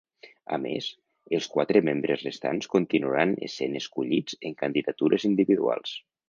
A més, els quatre membres restants continuaran essent escollits en candidatures individuals.